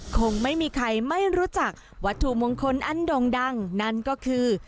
คงไม่มีใครไม่รู้จักวัตถุมงคลอันด่งดังนั่นก็คือ